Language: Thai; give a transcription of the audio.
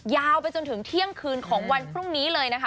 ยาวไปจนถึงเที่ยงคืนของวันพรุ่งนี้เลยนะคะ